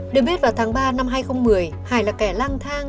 được biết vào tháng ba năm hai nghìn một mươi hải là kẻ lang thang